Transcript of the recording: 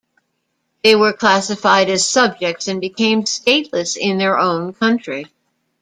They were classified as "subjects" and became stateless in their own country.